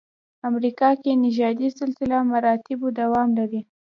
امریکا کې نژادي سلسله مراتبو دوام لري.